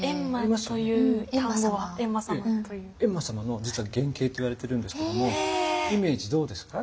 閻魔様の実は原形といわれているんですけどもイメージどうですか？